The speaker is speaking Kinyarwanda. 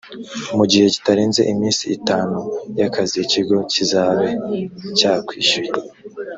mu gihe kitarenze iminsi itanu y’ akazi ikigo kizabe cyakwishyuye